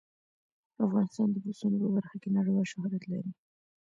افغانستان د پسونو په برخه کې نړیوال شهرت لري.